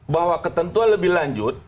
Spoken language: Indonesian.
bahwa ketentuan lebih lanjut